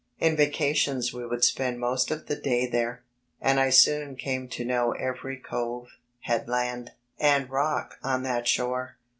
In vacadons we would spend most of the day there, and I soon came to know every cove, headland, and rock on that shore.